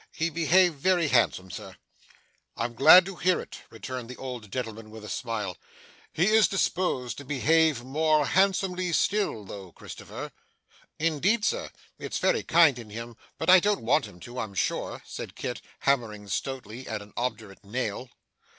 He behaved very handsome, Sir.' 'I'm glad to hear it,' returned the old gentlemen with a smile. 'He is disposed to behave more handsomely still, though, Christopher.' 'Indeed, Sir! It's very kind in him, but I don't want him to, I'm sure,' said Kit, hammering stoutly at an obdurate nail.